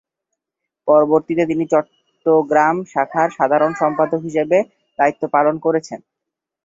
পরবর্তীতে, তিনি চট্টগ্রাম শাখার সাধারণ সম্পাদক হিসেবে দায়িত্ব পালন করেন।